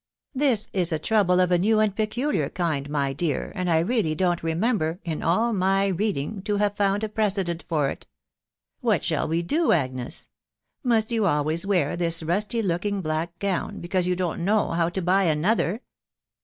" This is a trouble*of a new and peculiar kind, my dear,, and I really don't remember, in all my reading, to have found a precedent for it .... What shall we do, Agnes ?..•. Must you always wear this rusty looking black gown, because you don't know how to buy another